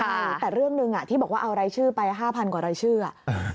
ใช่แต่เรื่องหนึ่งที่บอกว่าเอารายชื่อไป๕๐๐กว่ารายชื่ออ่ะ